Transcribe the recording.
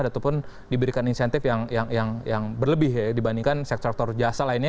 ataupun diberikan insentif yang berlebih dibandingkan sektor sektor jasa lainnya